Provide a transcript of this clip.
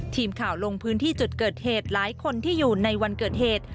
ทีมข่าวลงพื้นที่จุดเกิดเหตุหลายคนที่อยู่ในวันเกิดเหตุ